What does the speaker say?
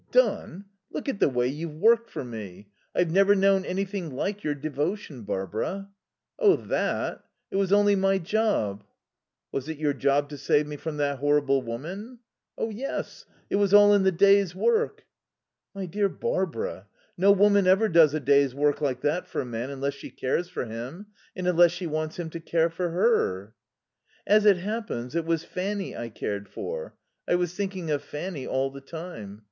"Done? Look at the way you've worked for me. I've never known anything like your devotion, Barbara." "Oh, that! It was only my job." "Was it your job to save me from that horrible woman?" "Oh, yes; it was all in the day's work." "My dear Barbara, no woman ever does a day's work like that for a man unless she cares for him. And unless she wants him to care for her." "As it happens, it was Fanny I cared for. I was thinking of Fanny all the time....